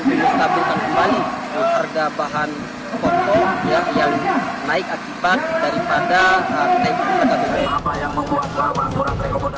minta pemerintah menstabilkan kembali harga bahan pokok yang naik akibat daripada kenaikan harga bbm